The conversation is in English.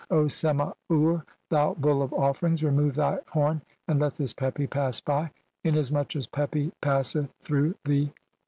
O Sema ur, thou bull of "offerings, remove thy horn and let this Pepi pass by. "Inasmuch as Pepi passeth through the ....